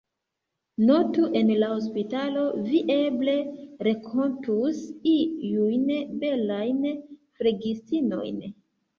Notu, en la hospitalo, vi eble renkontus iujn belajn flegistinojn.